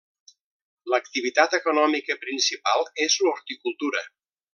L'activitat econòmica principal és l'horticultura.